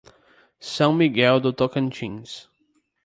São Miguel do Tocantins